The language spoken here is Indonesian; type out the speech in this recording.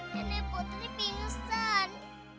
nenek putri pingsan